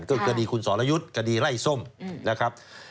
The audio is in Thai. ก็คดีคุณศาลยุทธิ์คดีไล่ส้มนะครับ